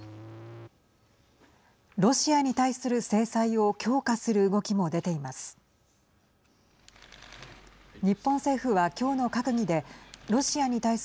ロシアに対する制裁を強化する動きも出ています。